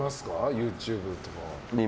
ＹｏｕＴｕｂｅとかは。